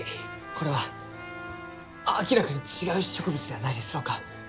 これは明らかに違う植物ではないですろうか？